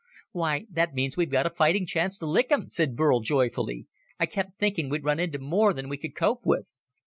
"Why, that means we've got a fighting chance to lick 'em," said Burl joyfully. "I kept thinking we'd run into more than we could cope with."